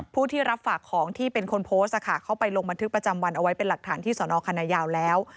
ผู้ที่รับฝากของที่เป็นคนโพสต์เข้าไปลงบันทึกประจำวันเอาไว้เป็นหลักฐานที่สนคณะยาวแล้ว